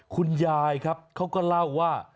คุณยายครับเขาก็เล่าว่า